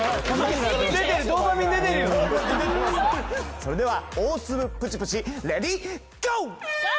それでは大粒プチプチレディゴー！